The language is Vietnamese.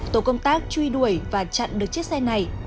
tổ công tác truy đuổi và chặn được chiếc xe này